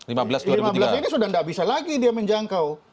lima belas ini sudah tidak bisa lagi dia menjangkau